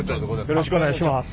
よろしくお願いします。